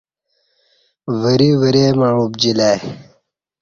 وری ورے مع اُبجی لہ ای